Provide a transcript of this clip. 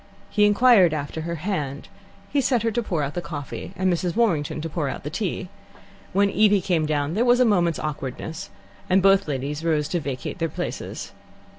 He inquired after her hand; he set her to pour out the coffee and Mrs. Warrington to pour out the tea. When Evie came down there was a moment's awkwardness, and both ladies rose to vacate their places.